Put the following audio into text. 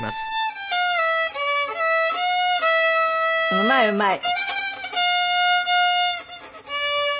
うまいうまい。